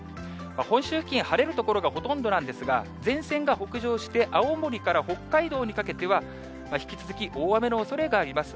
本州付近、晴れる所がほとんどなんですが、前線が北上して、青森から北海道にかけては、引き続き大雨のおそれがあります。